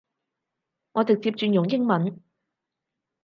我直接轉用英文